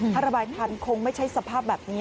ถ้าระบายทันคงไม่ใช่สภาพแบบนี้